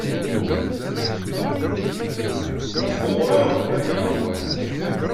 As-d ɣur-i ɣef ttmenya.